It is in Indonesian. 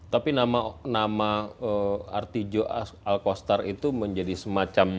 tapi nama artijo alkostar itu menjadi semacam apa ya